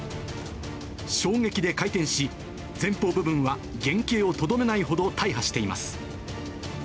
衝撃で回転し、前方部分は原形をとどめないほど大破しています。